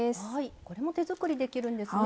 これも手作りできるんですね。